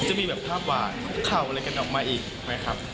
จะมีแบบภาพหวานคุกเข่าอะไรกันออกมาอีกนะครับ